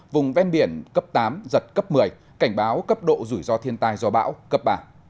vùng ven biển cấp tám giật cấp một mươi cảnh báo cấp độ rủi ro thiên tai do bão cấp ba